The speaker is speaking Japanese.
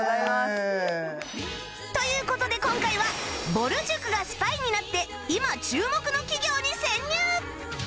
という事で今回はぼる塾がスパイになって今注目の企業に潜入！